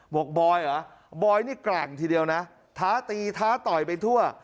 บอกบอยเหรอบอยนี่แกร่งทีเดียวนะท้าตีท้าต่อยไปทั่ว